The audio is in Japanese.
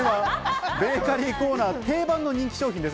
ベーカリーコーナー定番の人気商品です。